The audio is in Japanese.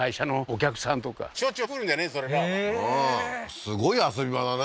へえーすごい遊び場だね